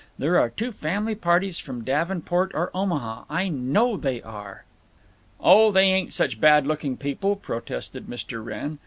There are two family parties from Davenport or Omaha; I know they are!" "Oh, they ain't such bad looking people," protested Mr. Wrenn….